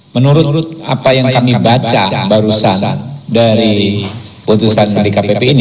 menurut apa yang kami baca barusan dari putusan dkpp ini